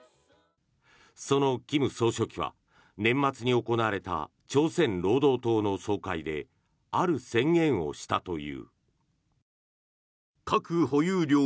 その金総書記は年末に行われた朝鮮労働党の総会である宣言をしたという。